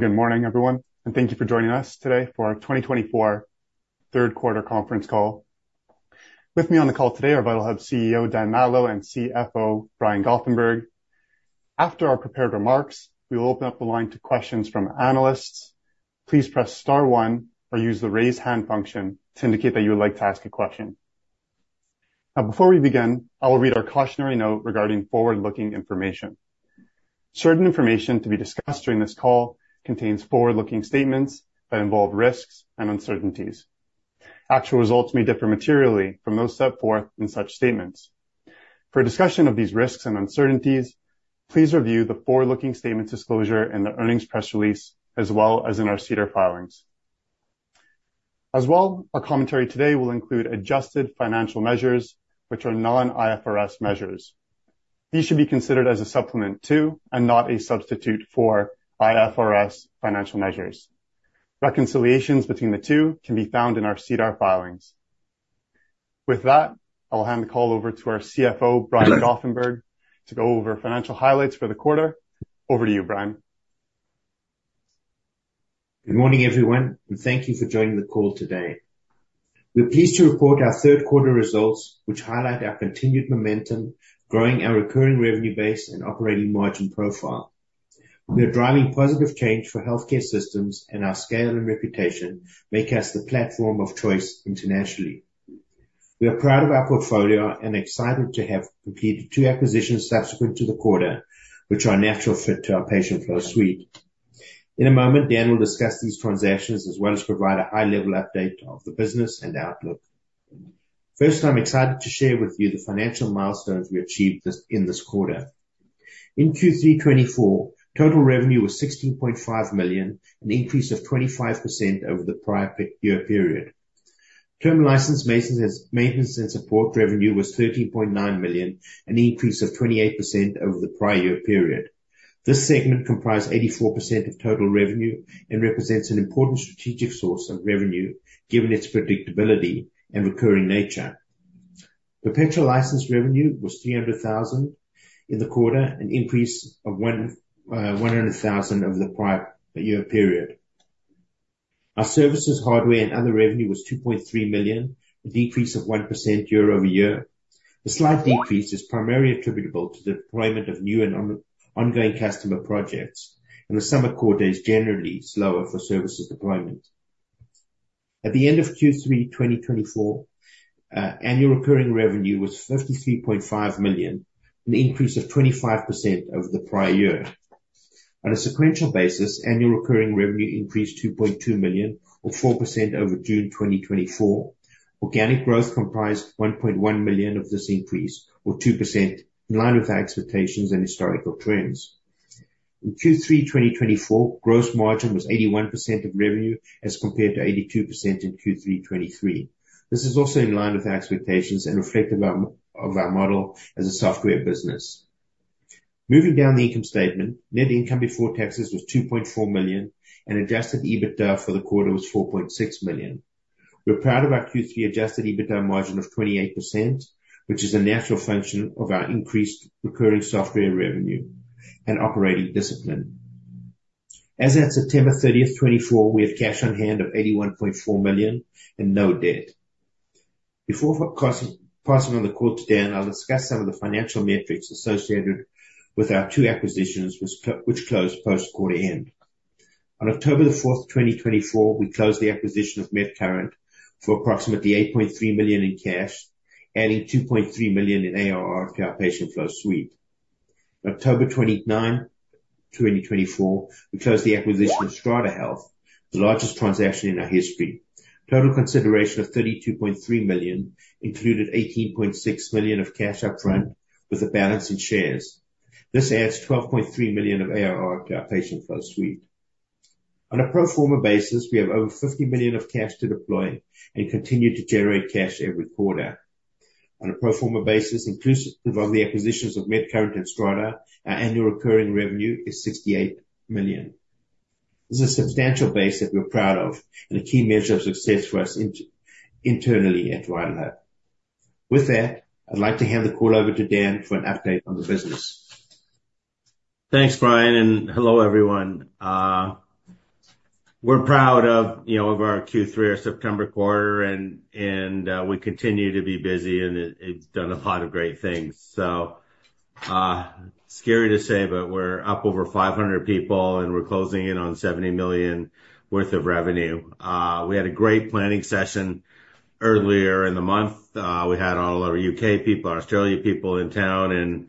Good morning, everyone, and thank you for joining us today for our 2024 third quarter conference call. With me on the call today are VitalHub CEO Dan Matlow and CFO Brian Goffenberg. After our prepared remarks, we will open up the line to questions from analysts. Please press star one or use the raise hand function to indicate that you would like to ask a question. Now, before we begin, I will read our cautionary note regarding forward-looking information. Certain information to be discussed during this call contains forward-looking statements that involve risks and uncertainties. Actual results may differ materially from those set forth in such statements. For a discussion of these risks and uncertainties, please review the forward-looking statements disclosure in the earnings press release, as well as in our SEDAR filings. As well, our commentary today will include adjusted financial measures, which are non-IFRS measures. These should be considered as a supplement to and not a substitute for IFRS financial measures. Reconciliations between the two can be found in our SEDAR filings. With that, I will hand the call over to our CFO, Brian Goffenberg, to go over financial highlights for the quarter. Over to you, Brian. Good morning, everyone, and thank you for joining the call today. We're pleased to report our third quarter results, which highlight our continued momentum, growing our recurring revenue base and operating margin profile. We are driving positive change for healthcare systems, and our scale and reputation make us the platform of choice internationally. We are proud of our portfolio and excited to have completed two acquisitions subsequent to the quarter, which are a natural fit to our patient flow suite. In a moment, Dan will discuss these transactions, as well as provide a high-level update of the business and outlook. First, I'm excited to share with you the financial milestones we achieved in this quarter. In Q3 2024, total revenue was 16.5 million, an increase of 25% over the prior year period. Term license maintenance and support revenue was 13.9 million, an increase of 28% over the prior year period. This segment comprised 84% of total revenue and represents an important strategic source of revenue, given its predictability and recurring nature. Perpetual license revenue was 300,000 in the quarter, an increase of 100,000 over the prior year period. Our services, hardware, and other revenue was 2.3 million, a decrease of 1% year over year. The slight decrease is primarily attributable to the deployment of new and ongoing customer projects, and the summer quarter is generally slower for services deployment. At the end of Q3 2024, annual recurring revenue was 53.5 million, an increase of 25% over the prior year. On a sequential basis, annual recurring revenue increased 2.2 million, or 4% over June 2024. Organic growth comprised 1.1 million of this increase, or 2%, in line with expectations and historical trends. In Q3 2024, gross margin was 81% of revenue, as compared to 82% in Q3 2023. This is also in line with expectations and reflective of our model as a software business. Moving down the income statement, net income before taxes was 2.4 million, and Adjusted EBITDA for the quarter was 4.6 million. We're proud of our Q3 Adjusted EBITDA margin of 28%, which is a natural function of our increased recurring software revenue and operating discipline. As at September 30th, 2024, we have cash on hand of 81.4 million and no debt. Before passing on the call to Dan, I'll discuss some of the financial metrics associated with our two acquisitions, which closed post-quarter end. On October the 4th, 2024, we closed the acquisition of MedCurrent for approximately 8.3 million in cash, adding 2.3 million in ARR to our patient flow suite. October 29th, 2024, we closed the acquisition of Strata Health, the largest transaction in our history. Total consideration of 32.3 million included 18.6 million of cash upfront with a balance in shares. This adds 12.3 million of ARR to our patient flow suite. On a pro forma basis, we have over 50 million of cash to deploy and continue to generate cash every quarter. On a pro forma basis, inclusive of the acquisitions of MedCurrent and Strata, our annual recurring revenue is 68 million. This is a substantial base that we're proud of and a key measure of success for us internally at VitalHub. With that, I'd like to hand the call over to Dan for an update on the business. Thanks, Brian, and hello, everyone. We're proud of our Q3 or September quarter, and we continue to be busy, and we've done a lot of great things. So, scary to say, but we're up over 500 people, and we're closing in on 70 million worth of revenue. We had a great planning session earlier in the month. We had all our UK people, our Australia people in town, and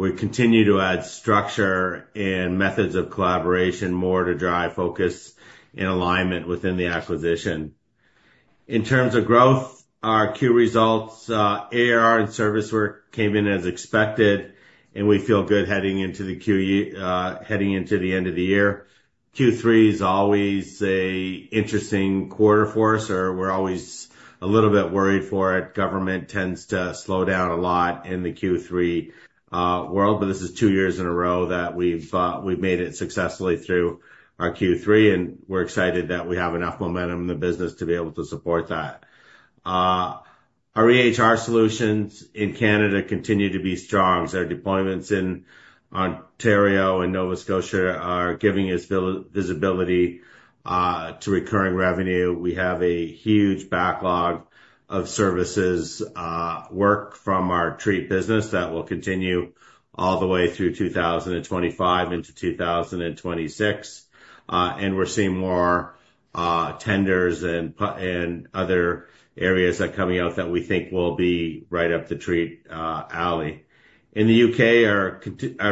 we continue to add structure and methods of collaboration more to drive focus and alignment within the acquisition. In terms of growth, our Q results, ARR and service work came in as expected, and we feel good heading into the end of the year. Q3 is always an interesting quarter for us, or we're always a little bit worried for it. Government tends to slow down a lot in the Q3 world, but this is two years in a row that we've made it successfully through our Q3, and we're excited that we have enough momentum in the business to be able to support that. Our EHR solutions in Canada continue to be strong. Our deployments in Ontario and Nova Scotia are giving us visibility to recurring revenue. We have a huge backlog of services work from our Treat business that will continue all the way through 2025 into 2026, and we're seeing more tenders and other areas that are coming out that we think will be right up the Treat alley. In the U.K., our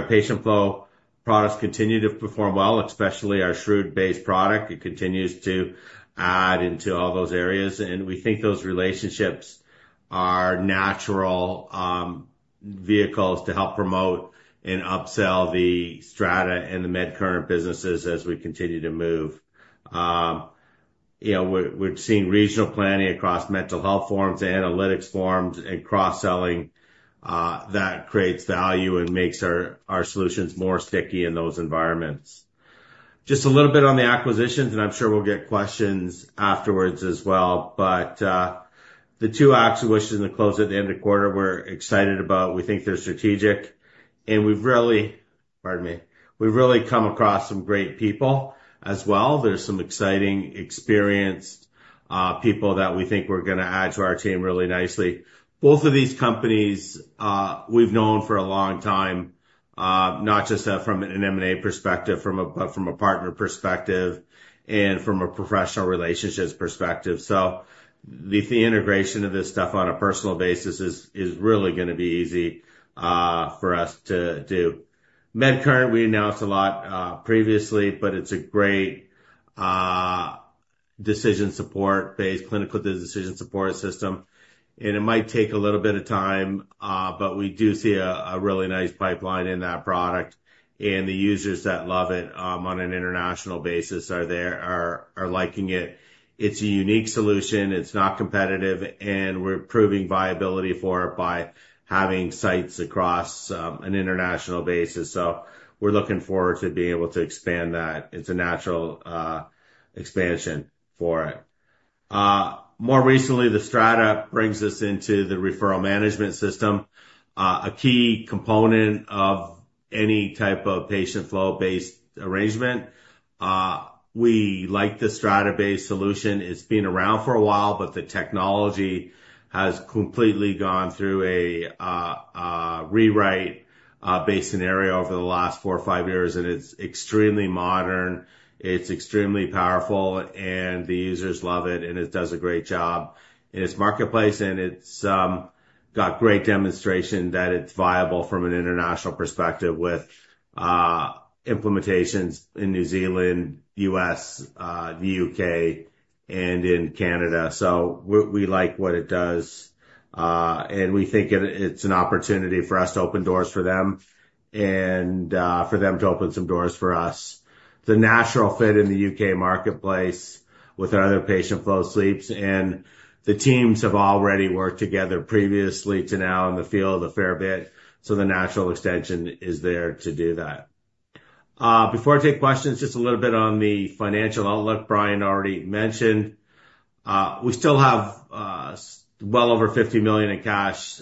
patient flow products continue to perform well, especially our SHREWD-based product. It continues to add into all those areas, and we think those relationships are natural vehicles to help promote and upsell the Strata and the MedCurrent businesses as we continue to move. We're seeing regional planning across mental health forms, analytics forms, and cross-selling that creates value and makes our solutions more sticky in those environments. Just a little bit on the acquisitions, and I'm sure we'll get questions afterwards as well. But the two acquisitions that close at the end of the quarter, we're excited about. We think they're strategic, and we've really, pardon me, we've really come across some great people as well. There's some exciting experienced people that we think we're going to add to our team really nicely. Both of these companies we've known for a long time, not just from an M&A perspective, but from a partner perspective and from a professional relationships perspective. The integration of this stuff on a personal basis is really going to be easy for us to do. MedCurrent, we announced a lot previously, but it's a great decision support-based clinical decision support system. It might take a little bit of time, but we do see a really nice pipeline in that product, and the users that love it on an international basis are liking it. It's a unique solution. It's not competitive, and we're proving viability for it by having sites across an international basis. We're looking forward to being able to expand that. It's a natural expansion for it. More recently, the Strata brings us into the referral management system, a key component of any type of patient flow-based arrangement. We like the Strata-based solution. It's been around for a while, but the technology has completely gone through a rewrite-based scenario over the last four or five years, and it's extremely modern. It's extremely powerful, and the users love it, and it does a great job in its marketplace, and it's got great demonstration that it's viable from an international perspective with implementations in New Zealand, the U.S., the U.K., and in Canada. So we like what it does, and we think it's an opportunity for us to open doors for them and for them to open some doors for us. It's a natural fit in the U.K. marketplace with other patient flow solutions, and the teams have already worked together previously to now in the field a fair bit. So the natural extension is there to do that. Before I take questions, just a little bit on the financial outlook. Brian already mentioned we still have well over 50 million in cash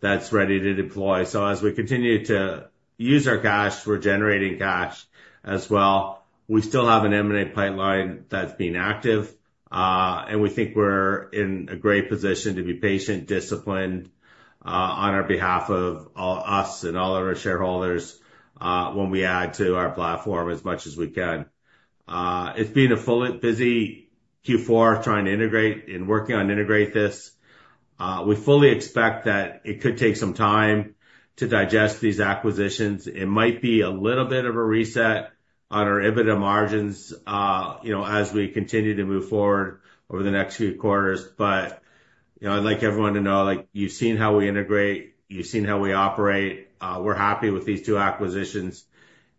that's ready to deploy. So as we continue to use our cash, we're generating cash as well. We still have an M&A pipeline that's being active, and we think we're in a great position to be patient, disciplined on our behalf of us and all of our shareholders when we add to our platform as much as we can. It's been a busy Q4 trying to integrate and working on integrating this. We fully expect that it could take some time to digest these acquisitions. It might be a little bit of a reset on our EBITDA margins as we continue to move forward over the next few quarters. But I'd like everyone to know you've seen how we integrate. You've seen how we operate. We're happy with these two acquisitions,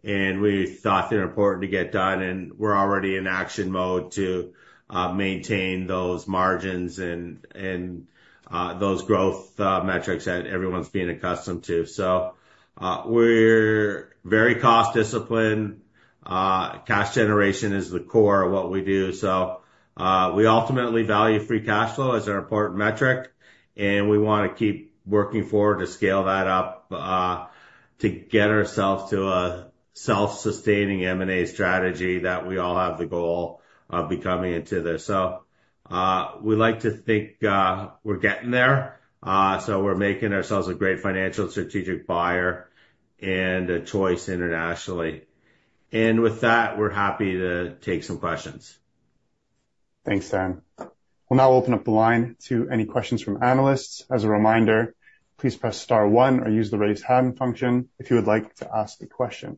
and we thought they're important to get done. And we're already in action mode to maintain those margins and those growth metrics that everyone's being accustomed to. So we're very cost-disciplined. Cash generation is the core of what we do. So we ultimately value free cash flow as an important metric, and we want to keep working forward to scale that up to get ourselves to a self-sustaining M&A strategy that we all have the goal of becoming into this. So we like to think we're getting there. So we're making ourselves a great financial strategic buyer and a choice internationally. And with that, we're happy to take some questions. Thanks, Dan. We'll now open up the line to any questions from analysts. As a reminder, please press star one or use the raise hand function if you would like to ask a question.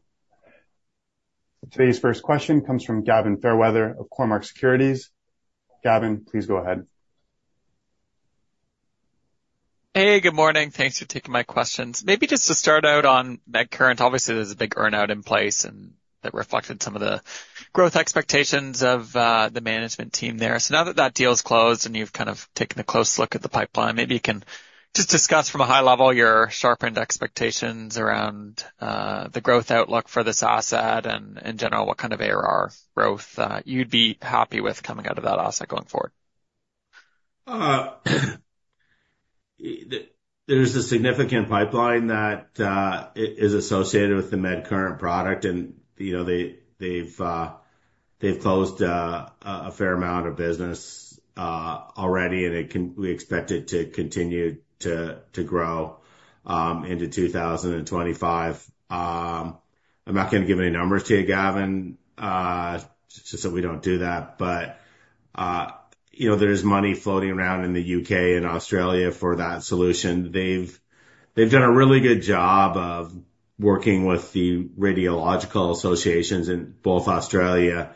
Today's first question comes from Gavin Fairweather of Cormark Securities. Gavin, please go ahead. Hey, good morning. Thanks for taking my questions. Maybe just to start out on MedCurrent, obviously, there's a big earnout in place, and that reflected some of the growth expectations of the management team there. So now that that deal's closed and you've kind of taken a close look at the pipeline, maybe you can just discuss from a high level your sharpened expectations around the growth outlook for this asset and, in general, what kind of ARR growth you'd be happy with coming out of that asset going forward. There's a significant pipeline that is associated with the MedCurrent product, and they've closed a fair amount of business already, and we expect it to continue to grow into 2025. I'm not going to give any numbers to you, Gavin, just so we don't do that. But there is money floating around in the U.K. and Australia for that solution. They've done a really good job of working with the Radiological Associations in both Australia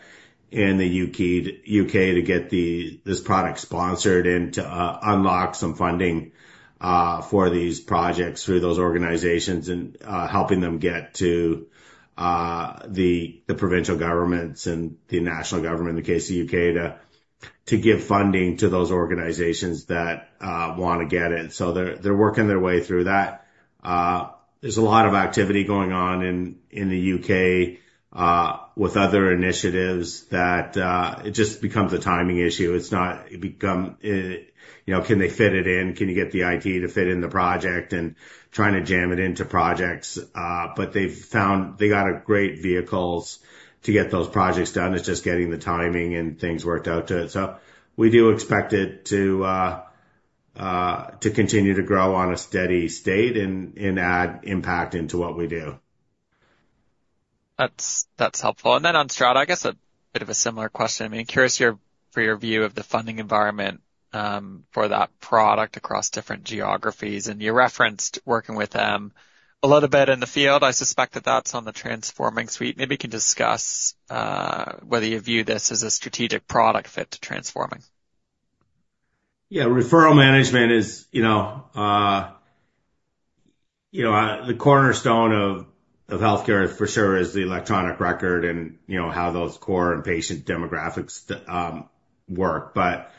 and the U.K. to get this product sponsored and to unlock some funding for these projects through those organizations and helping them get to the provincial governments and the national government, in the case of the U.K., to give funding to those organizations that want to get it. So they're working their way through that. There's a lot of activity going on in the U.K. with other initiatives that it just becomes a timing issue. It's not. Can they fit it in? Can you get the IT to fit in the project and trying to jam it into projects, but they've found they got great vehicles to get those projects done. It's just getting the timing and things worked out to it so we do expect it to continue to grow on a steady state and add impact into what we do. That's helpful. And then on Strata, I guess a bit of a similar question. I'm curious for your view of the funding environment for that product across different geographies. And you referenced working with them a little bit in the field. I suspect that that's on the Transform suite. Maybe you can discuss whether you view this as a strategic product fit to Transform. Yeah. Referral management is the cornerstone of healthcare, for sure, is the electronic record and how those core and patient demographics work. But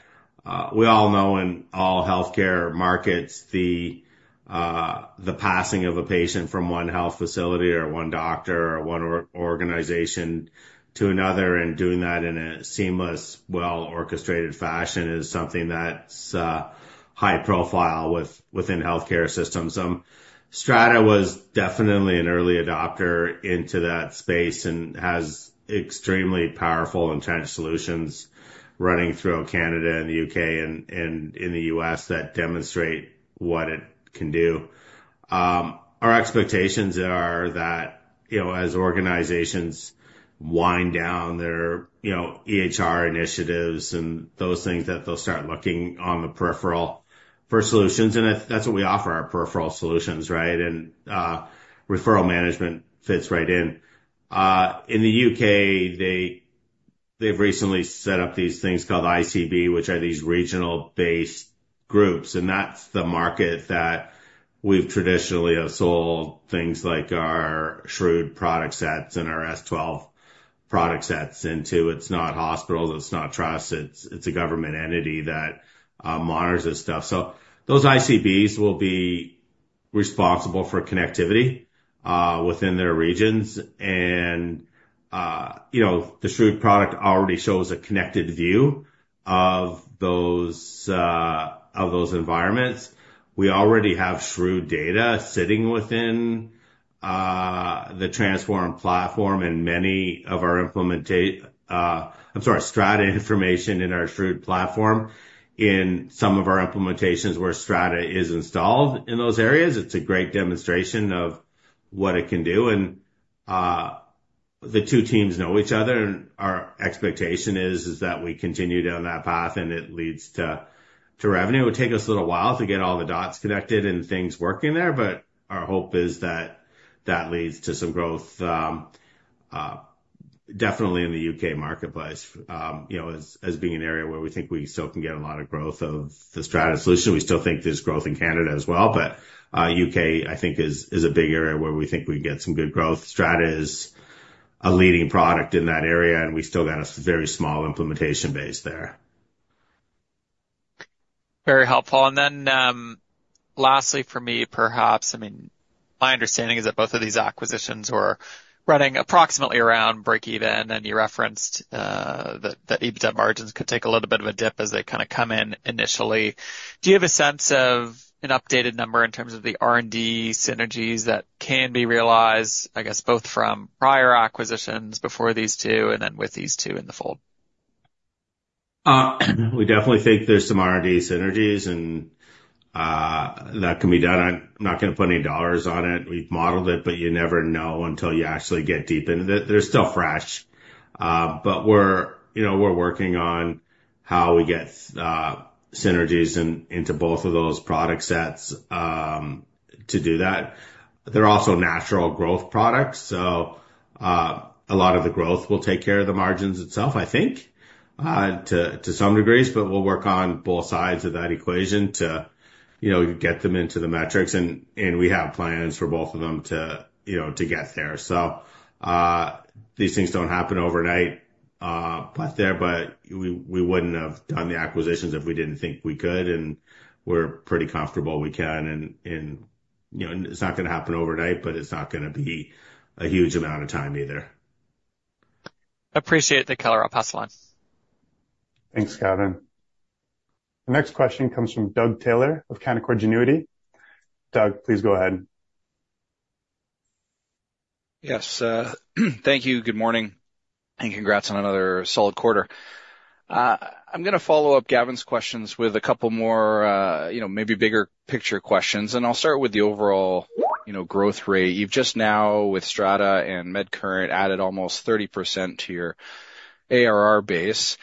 we all know in all healthcare markets, the passing of a patient from one health facility or one doctor or one organization to another and doing that in a seamless, well-orchestrated fashion is something that's high profile within healthcare systems. Strata was definitely an early adopter into that space and has extremely powerful and entrenched solutions running throughout Canada and the U.K. and in the U.S. that demonstrate what it can do. Our expectations are that as organizations wind down their EHR initiatives and those things, that they'll start looking on the peripheral for solutions. And that's what we offer our peripheral solutions, right? And referral management fits right in. In the U.K., they've recently set up these things called ICB, which are these regional-based groups. That's the market that we've traditionally sold things like our SHREWD product sets and our S12 product sets into. It's not hospitals. It's not trusts. It's a government entity that monitors this stuff. Those ICBs will be responsible for connectivity within their regions. The SHREWD product already shows a connected view of those environments. We already have SHREWD data sitting within the Transform platform and many of our implementations. I'm sorry, Strata information in our SHREWD platform. In some of our implementations where Strata is installed in those areas, it's a great demonstration of what it can do. The two teams know each other, and our expectation is that we continue down that path, and it leads to revenue. It will take us a little while to get all the dots connected and things working there, but our hope is that that leads to some growth, definitely in the U.K. marketplace as being an area where we think we still can get a lot of growth of the Strata solution. We still think there's growth in Canada as well. But U.K., I think, is a big area where we think we can get some good growth. Strata is a leading product in that area, and we still got a very small implementation base there. Very helpful. And then lastly for me, perhaps, I mean, my understanding is that both of these acquisitions were running approximately around break-even, and you referenced that EBITDA margins could take a little bit of a dip as they kind of come in initially. Do you have a sense of an updated number in terms of the R&D synergies that can be realized, I guess, both from prior acquisitions before these two and then with these two in the fold? We definitely think there's some R&D synergies that can be done. I'm not going to put any dollars on it. We've modeled it, but you never know until you actually get deep into it. They're still fresh. But we're working on how we get synergies into both of those product sets to do that. They're also natural growth products. So a lot of the growth will take care of the margins itself, I think, to some degrees, but we'll work on both sides of that equation to get them into the metrics. And we have plans for both of them to get there. So these things don't happen overnight there, but we wouldn't have done the acquisitions if we didn't think we could. And we're pretty comfortable we can. And it's not going to happen overnight, but it's not going to be a huge amount of time either. Appreciate the color. I'll pass the line. Thanks, Gavin. The next question comes from Doug Taylor of Canaccord Genuity. Doug, please go ahead. Yes. Thank you. Good morning and congrats on another solid quarter. I'm going to follow up Gavin's questions with a couple more, maybe bigger picture questions, and I'll start with the overall growth rate. You've just now, with Strata and MedCurrent, added almost 30% to your ARR base.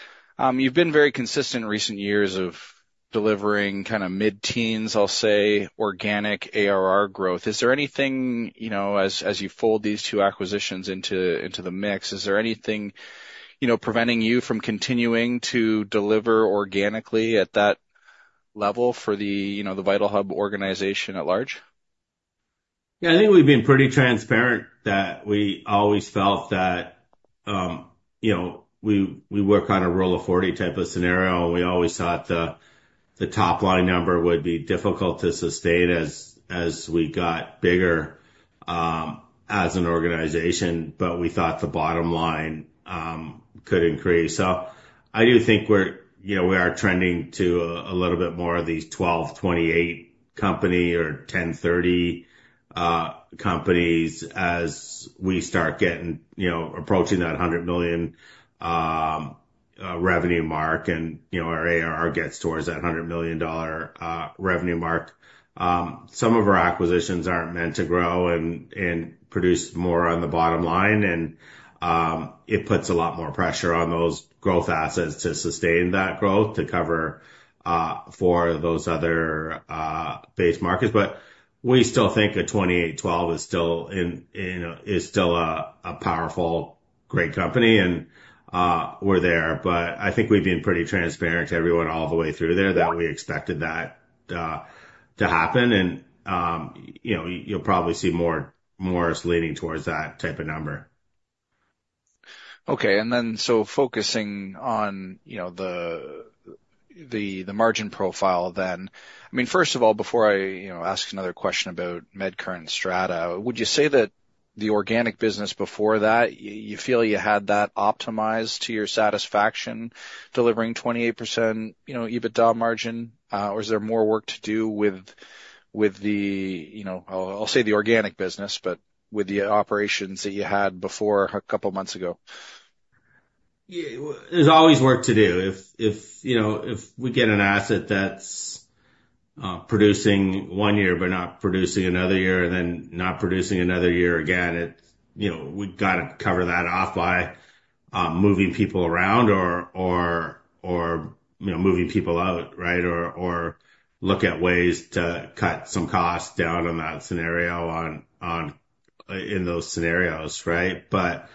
You've been very consistent in recent years of delivering kind of mid-teens, I'll say, organic ARR growth. Is there anything, as you fold these two acquisitions into the mix, is there anything preventing you from continuing to deliver organically at that level for the VitalHub organization at large? Yeah. I think we've been pretty transparent that we always felt that we work on a Rule of 40 type of scenario. We always thought the top-line number would be difficult to sustain as we got bigger as an organization, but we thought the bottom line could increase. So I do think we are trending to a little bit more of these 12, 28 company or 10, 30 companies as we start getting approaching that 100 million revenue mark and our ARR gets towards that 100 million revenue mark. Some of our acquisitions aren't meant to grow and produce more on the bottom line, and it puts a lot more pressure on those growth assets to sustain that growth to cover for those other base markets. But we still think a 28, 12 is still a powerful, great company, and we're there. But I think we've been pretty transparent to everyone all the way through there that we expected that to happen. And you'll probably see more is leaning towards that type of number. Okay. And then, so focusing on the margin profile then, I mean, first of all, before I ask another question about MedCurrent and Strata, would you say that the organic business before that, you feel you had that optimized to your satisfaction delivering 28% EBITDA margin, or is there more work to do with the, I'll say, the organic business, but with the operations that you had before a couple of months ago? Yeah. There's always work to do. If we get an asset that's producing one year but not producing another year and then not producing another year again, we've got to cover that off by moving people around or moving people out, right, or look at ways to cut some costs down on that scenario in those scenarios, right, but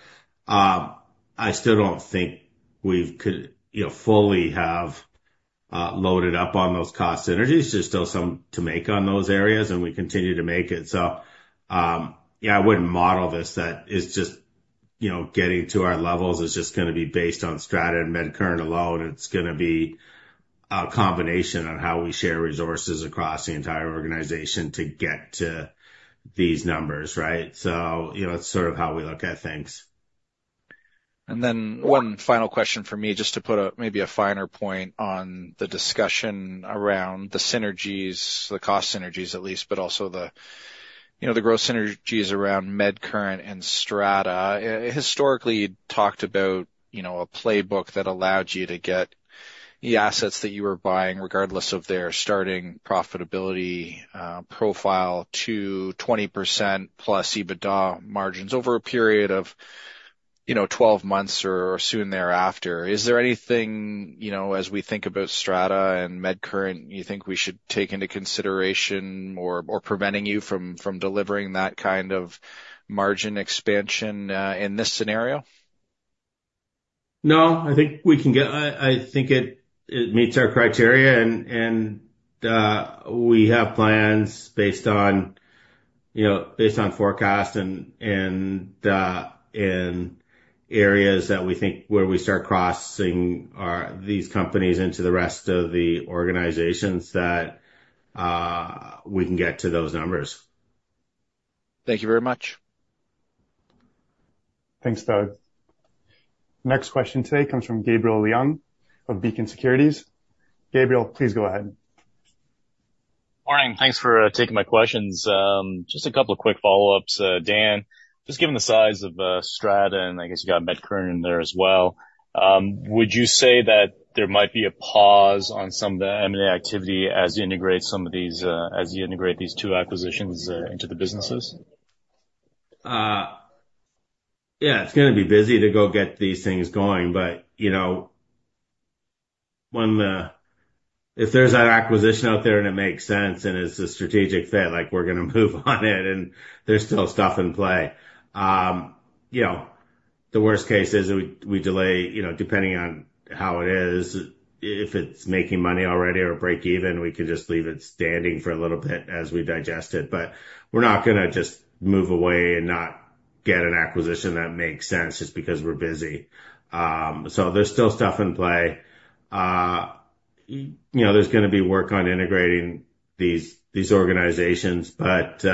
I still don't think we could fully have loaded up on those cost synergies. There's still some to make on those areas, and we continue to make it, so yeah, I wouldn't model this that it's just getting to our levels is just going to be based on Strata and MedCurrent alone. It's going to be a combination on how we share resources across the entire organization to get to these numbers, right, so it's sort of how we look at things. And then one final question for me, just to put maybe a finer point on the discussion around the synergies, the cost synergies at least, but also the growth synergies around MedCurrent and Strata. Historically, you talked about a playbook that allowed you to get the assets that you were buying, regardless of their starting profitability profile, to 20% plus EBITDA margins over a period of 12 months or soon thereafter. Is there anything, as we think about Strata and MedCurrent, you think we should take into consideration or preventing you from delivering that kind of margin expansion in this scenario? No. I think it meets our criteria, and we have plans based on forecasts and areas that we think, where we start crossing these companies into the rest of the organizations that we can get to those numbers. Thank you very much. Thanks, Doug. Next question today comes from Gabriel Leung of Beacon Securities. Gabriel, please go ahead. Morning. Thanks for taking my questions. Just a couple of quick follow-ups. Dan, just given the size of Strata, and I guess you got MedCurrent in there as well, would you say that there might be a pause on some of the M&A activity as you integrate these two acquisitions into the businesses? Yeah. It's going to be busy to go get these things going. But if there's an acquisition out there and it makes sense and it's a strategic fit, we're going to move on it, and there's still stuff in play. The worst case is we delay, depending on how it is, if it's making money already or break-even, we can just leave it standing for a little bit as we digest it. But we're not going to just move away and not get an acquisition that makes sense just because we're busy. So there's still stuff in play. There's going to be work on integrating these organizations. But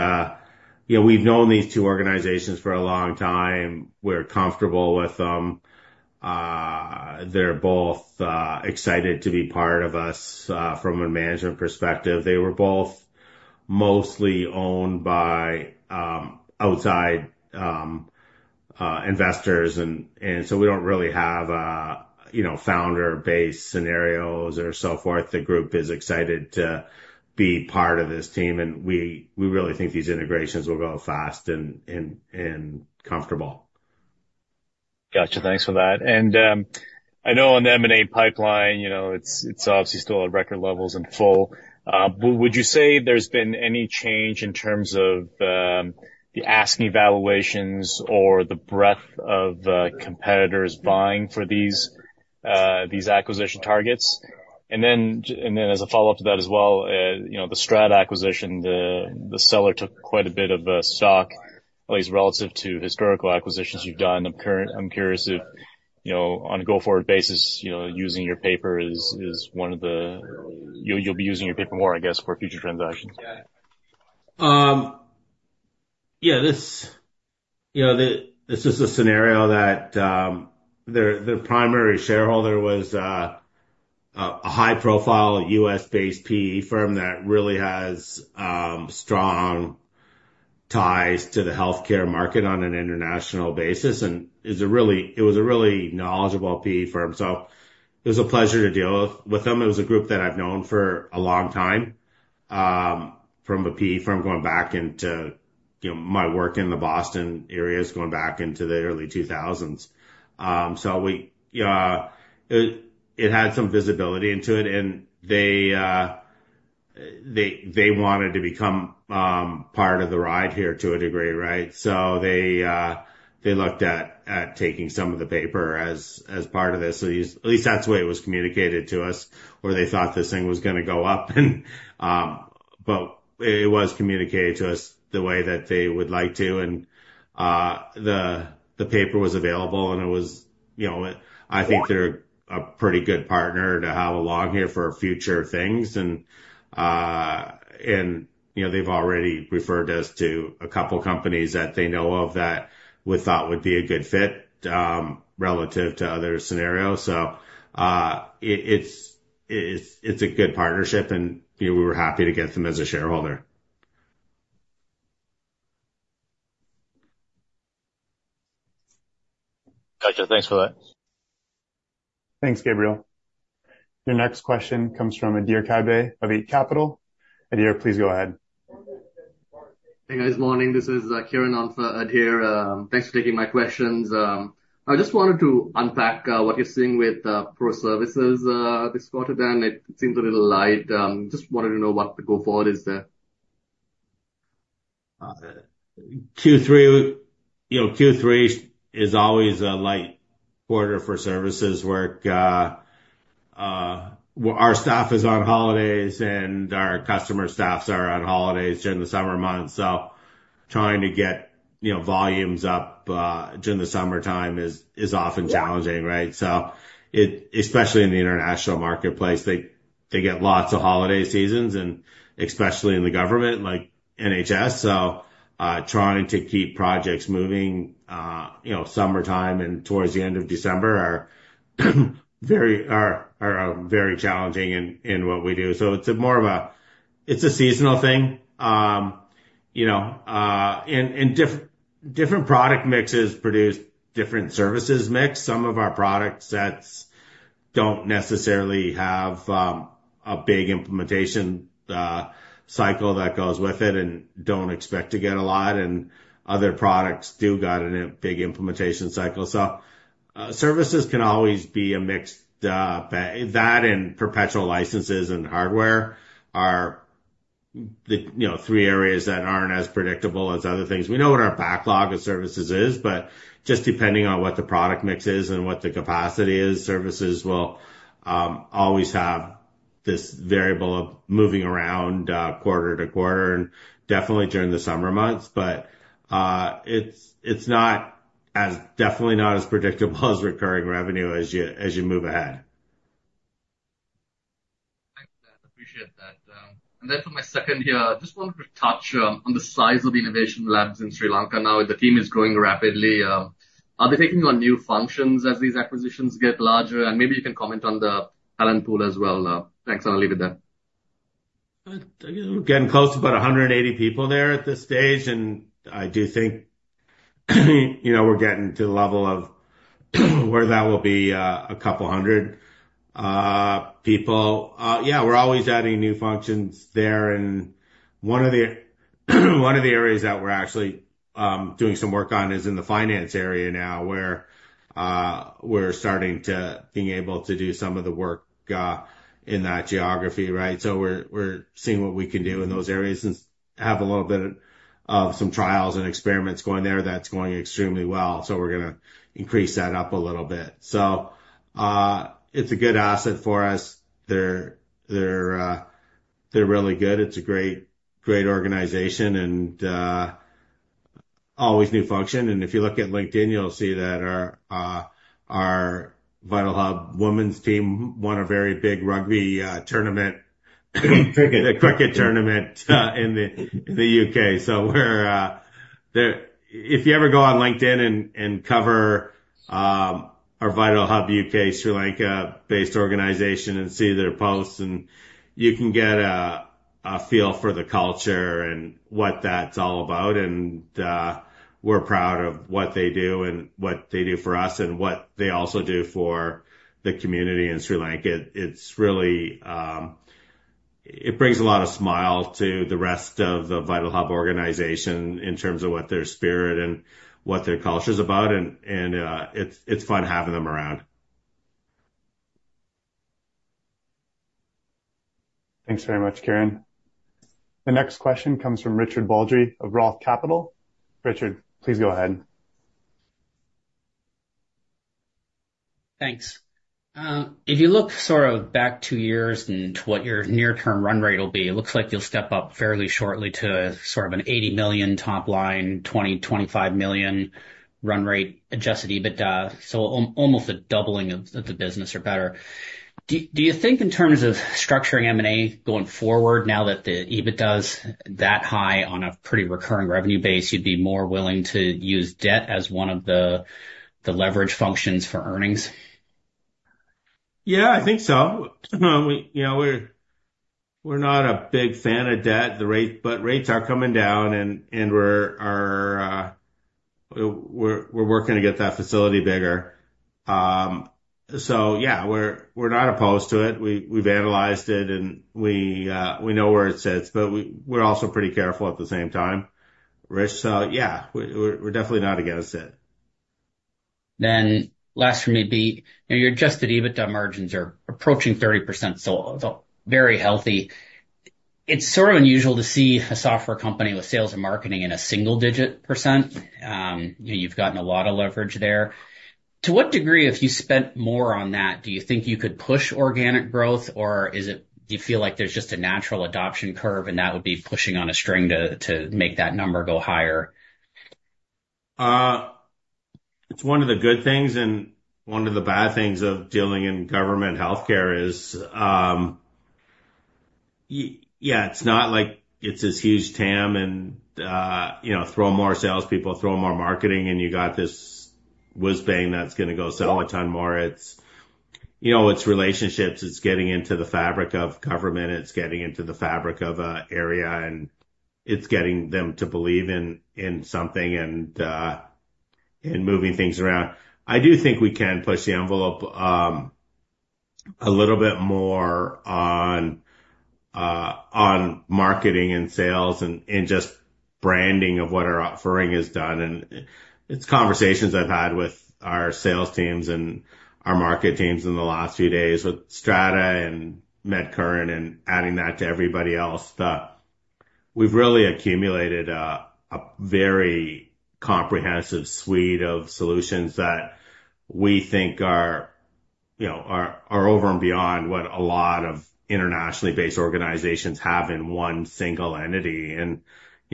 we've known these two organizations for a long time. We're comfortable with them. They're both excited to be part of us from a management perspective. They were both mostly owned by outside investors. We don't really have founder-based scenarios or so forth. The group is excited to be part of this team, and we really think these integrations will go fast and comfortable. Gotcha. Thanks for that. And I know on the M&A pipeline, it's obviously still at record levels and full. Would you say there's been any change in terms of the asking valuations or the breadth of competitors buying for these acquisition targets? And then as a follow-up to that as well, the Strata acquisition, the seller took quite a bit of stock, at least relative to historical acquisitions you've done. I'm curious if on a go-forward basis, using your paper is one of the you'll be using your paper more, I guess, for future transactions. Yeah. This is a scenario that their primary shareholder was a high-profile U.S.-based PE firm that really has strong ties to the healthcare market on an international basis, and it was a really knowledgeable PE firm, so it was a pleasure to deal with them. It was a group that I've known for a long time from a PE firm going back into my work in the Boston area going back into the early 2000s, so it had some visibility into it, and they wanted to become part of the ride here to a degree, right, so they looked at taking some of the paper as part of this. At least that's the way it was communicated to us, or they thought this thing was going to go up, but it was communicated to us the way that they would like to. And the paper was available, and it was. I think they're a pretty good partner to have along here for future things. And they've already referred us to a couple of companies that they know of that we thought would be a good fit relative to other scenarios. So it's a good partnership, and we were happy to get them as a shareholder. Gotcha. Thanks for that. Thanks, Gabriel. Your next question comes from Adhir Kadve of Eight Capital. Adhir, please go ahead. Hey, guys. Morning. This is Kiran on for Adhir. Thanks for taking my questions. I just wanted to unpack what you're seeing with pro services this quarter, Dan. It seems a little light. Just wanted to know what the go-forward is there? Q3 is always a light quarter for services work. Our staff is on holidays, and our customer staffs are on holidays during the summer months. So trying to get volumes up during the summertime is often challenging, right? So especially in the international marketplace, they get lots of holiday seasons, and especially in the government like NHS. So trying to keep projects moving summertime and towards the end of December are very challenging in what we do. So it's more of a seasonal thing. And different product mixes produce different services mix. Some of our product sets don't necessarily have a big implementation cycle that goes with it and don't expect to get a lot. And other products do got a big implementation cycle. So services can always be a mixed that and perpetual licenses and hardware are the three areas that aren't as predictable as other things. We know what our backlog of services is, but just depending on what the product mix is and what the capacity is, services will always have this variable of moving around quarter to quarter and definitely during the summer months. But it's definitely not as predictable as recurring revenue as you move ahead. I appreciate that. And that's my second here. I just wanted to touch on the size of Innovation Labs in Sri Lanka. Now, the team is growing rapidly. Are they taking on new functions as these acquisitions get larger? And maybe you can comment on the talent pool as well. Thanks. I'll leave it there. Again, close to about 180 people there at this stage, and I do think we're getting to the level of where that will be a couple hundred people. Yeah. We're always adding new functions there, and one of the areas that we're actually doing some work on is in the finance area now where we're starting to be able to do some of the work in that geography, right? So we're seeing what we can do in those areas and have a little bit of some trials and experiments going there, that's going extremely well. So we're going to increase that up a little bit. So it's a good asset for us. They're really good. It's a great organization and always new function. And if you look at LinkedIn, you'll see that our VitalHub women's team won a very big rugby tournament, cricket tournament in the UK. So if you ever go on LinkedIn and cover our VitalHub UK Sri Lanka-based organization and see their posts, you can get a feel for the culture and what that's all about. And we're proud of what they do and what they do for us and what they also do for the community in Sri Lanka. It brings a lot of smile to the rest of the VitalHub organization in terms of what their spirit and what their culture is about. And it's fun having them around. Thanks very much, Kiran. The next question comes from Richard Baldry of Roth Capital. Richard, please go ahead. Thanks. If you look sort of back two years into what your near-term run rate will be, it looks like you'll step up fairly shortly to sort of a 80 million top line, 20 million-25 million run rate Adjusted EBITDA. So almost a doubling of the business or better. Do you think in terms of structuring M&A going forward, now that the EBITDA is that high on a pretty recurring revenue base, you'd be more willing to use debt as one of the leverage functions for earnings? Yeah, I think so. We're not a big fan of debt, but rates are coming down, and we're working to get that facility bigger. So yeah, we're not opposed to it. We've analyzed it, and we know where it sits, but we're also pretty careful at the same time, Rich. So yeah, we're definitely not against it. Last for me, your Adjusted EBITDA margins are approaching 30%, so very healthy. It's sort of unusual to see a software company with sales and marketing in a single-digit %. You've gotten a lot of leverage there. To what degree, if you spent more on that, do you think you could push organic growth, or do you feel like there's just a natural adoption curve and that would be pushing on a string to make that number go higher? It's one of the good things and one of the bad things of dealing in government healthcare is, yeah, it's not like it's this huge TAM and throw more salespeople, throw more marketing, and you got this whizbang that's going to go sell a ton more. It's relationships. It's getting into the fabric of government. It's getting into the fabric of an area, and it's getting them to believe in something and moving things around. I do think we can push the envelope a little bit more on marketing and sales and just branding of what our offering is done, and it's conversations I've had with our sales teams and our market teams in the last few days with Strata and MedCurrent and adding that to everybody else. We've really accumulated a very comprehensive suite of solutions that we think are over and beyond what a lot of internationally based organizations have in one single entity. And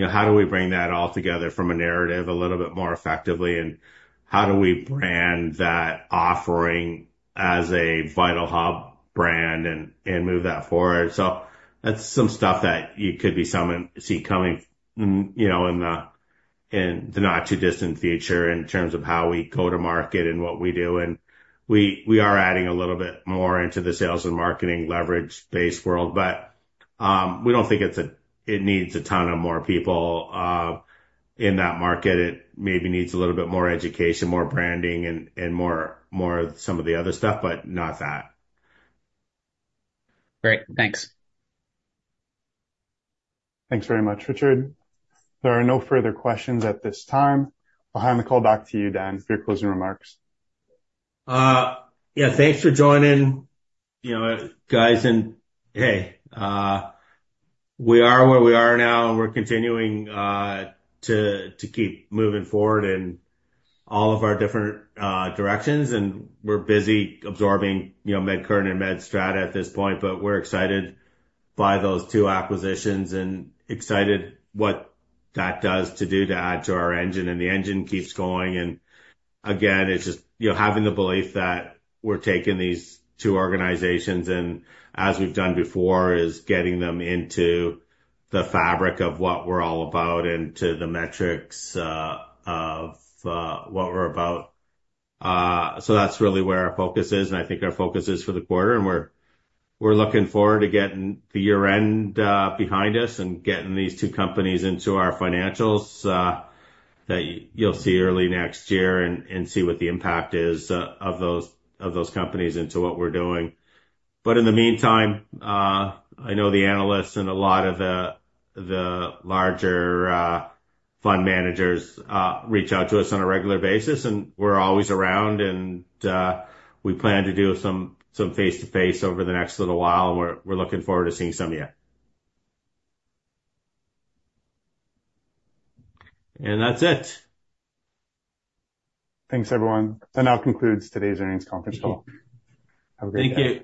how do we bring that all together from a narrative a little bit more effectively? And how do we brand that offering as a VitalHub brand and move that forward? So that's some stuff that you could see coming in the not-too-distant future in terms of how we go to market and what we do. And we are adding a little bit more into the sales and marketing leverage-based world, but we don't think it needs a ton of more people in that market. It maybe needs a little bit more education, more branding, and more of some of the other stuff, but not that. Great. Thanks. Thanks very much, Richard. There are no further questions at this time. I'll hand the call back to you, Dan, for your closing remarks. Yeah. Thanks for joining, guys. And hey, we are where we are now, and we're continuing to keep moving forward in all of our different directions. And we're busy absorbing MedCurrent and Strata at this point, but we're excited by those two acquisitions and excited what that does to add to our engine. And the engine keeps going. And again, it's just having the belief that we're taking these two organizations and, as we've done before, is getting them into the fabric of what we're all about and to the metrics of what we're about. So that's really where our focus is. And I think our focus is for the quarter, and we're looking forward to getting the year-end behind us and getting these two companies into our financials that you'll see early next year and see what the impact is of those companies into what we're doing. But in the meantime, I know the analysts and a lot of the larger fund managers reach out to us on a regular basis, and we're always around. And we plan to do some face-to-face over the next little while, and we're looking forward to seeing some of you. And that's it. Thanks, everyone. That now concludes today's earnings conference call. Have a great day. Thank you.